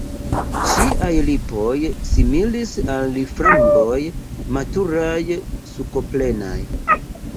Ŝiaj lipoj similis al framboj, maturaj, sukoplenaj.